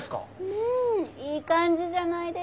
うんいい感じじゃないですか。